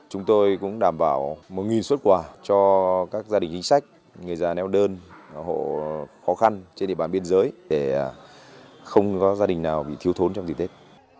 chúng tôi cũng đảm bảo một xuất quà cho các gia đình chính sách người già neo đơn hộ khó khăn trên địa bàn biên giới để không có gia đình nào bị thiếu thốn trong dịp tết